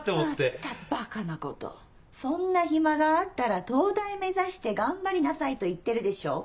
またばかなことそんな暇があったら東大目指して頑張りなさいと言ってるでしょ。